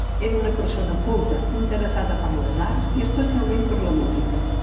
Era una persona culta, interessada per les arts, i especialment per la música.